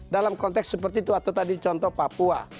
dalam konteks seperti itu atau tadi contoh papua